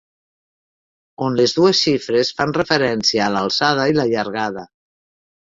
On les dues xifres fan referència a l'alçada i la llargada.